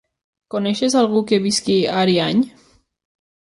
Coneixes algú que visqui a Ariany?